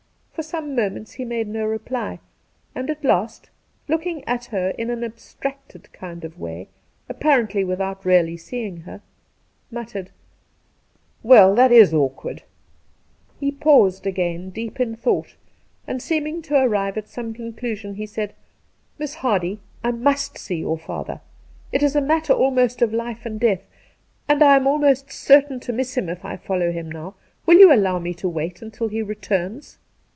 For some moments he made no reply, and at last, looking at her in an abstracted kind of way, apparently without really seeing her, muttered :• Well, that is awkward !' He paused again, deep in thought, and, seeming to arrive at some con clusion, he said, ' Miss Hardy, I must see your father ; it is a matter almost of life and death, and I am almost certain to miss him if I follow him now. Will you allow me to wait until he returns